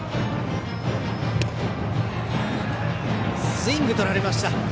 スイングとられました。